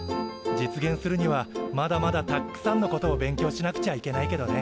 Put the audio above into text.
実現するにはまだまだたっくさんのことを勉強しなくちゃいけないけどね。